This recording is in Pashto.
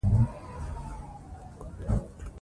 ژورې سرچینې د افغانستان د چاپیریال د مدیریت لپاره مهم دي.